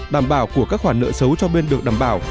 đảm bảo của các khoản nợ xấu cho bên được đảm bảo